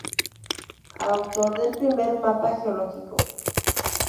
Autor del primer mapa geológico.